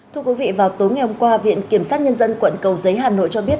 thưa quý vị vào tối ngày hôm qua viện kiểm sát nhân dân quận cầu giấy hà nội cho biết